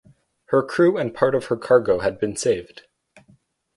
Her crew and part of her cargo had been saved.